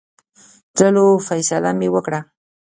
تللو فیصله مې وکړه.